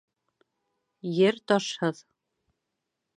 Ер ташһыҙ